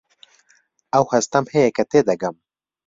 ئەو هەستەم هەیە کە تێدەگەم.